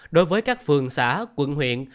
đối với các phường xã quận huyện